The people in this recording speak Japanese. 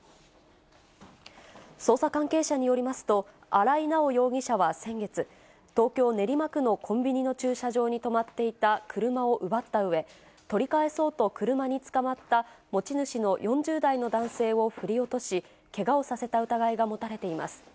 捜査関係者によりますと、荒井直容疑者は先月、東京・練馬区のコンビニの駐車場に止まっていた車を奪ったうえ、取り返そうと車につかまった持ち主の４０代の男性を振り落とし、けがをさせた疑いが持たれています。